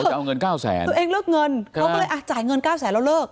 จะเอาเงินเก้าแสนตัวเองเลิกเงินเขาก็เลยอ่ะจ่ายเงินเก้าแสนแล้วเลิก